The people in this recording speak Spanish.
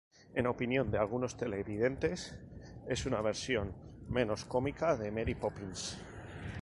En opinión de algunos televidentes es una versión menos cómica de Mary Poppins.